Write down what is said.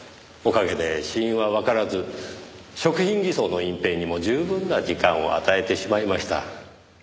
おかげで死因はわからず食品偽装の隠蔽にも十分な時間を与えてしまいました。